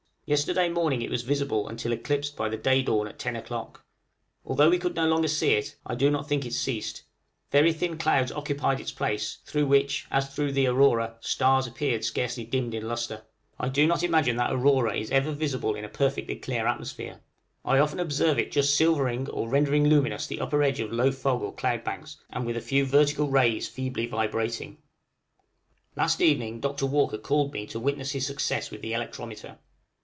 Yesterday morning it was visible until eclipsed by the day dawn at 10 o'clock. Although we could no longer see it, I do not think it ceased: very thin clouds occupied its place, through which, as through the aurora, stars appeared scarcely dimmed in lustre. I do not imagine that aurora is ever visible in a perfectly clear atmosphere. I often observe it just silvering or rendering luminous the upper edge of low fog or cloud banks, and with a few vertical rays feebly vibrating. Last evening Dr. Walker called me to witness his success with the electrometer.